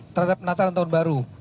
terhadap natal dan tahun baru